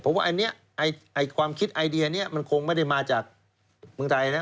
ผมว่าอันนี้ความคิดไอเดียนี้มันคงไม่ได้มาจากเมืองไทยนะ